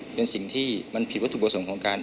เป็นสิ่งที่มันผิดวัตถุประสงค์ของการ